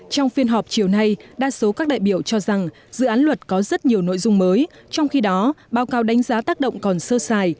trong phiên họp chiều nay đa số các đại biểu cho rằng dự án luật có rất nhiều nội dung mới trong khi đó báo cáo đánh giá tác động còn sơ sài